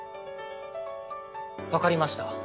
分かりました。